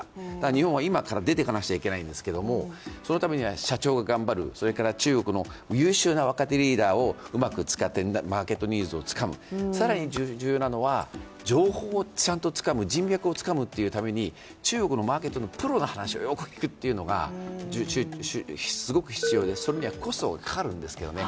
日本は今から出ていかなきゃいけないんですけど、そのためには社長が頑張る、中国の優秀な若手リーダーを使ってマーケットニーズをつかむ、更に重要なのは情報をちゃんとつかむ、人脈をつかむために中国のマーケットのプロの話をよく聞くということがすごく必要でそれにはコストがかかるんですけどね。